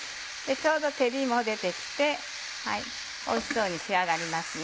ちょうど照りも出て来ておいしそうに仕上がりますね。